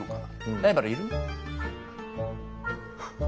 ライバルいる？